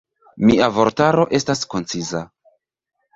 Mia vortaro estas konciza.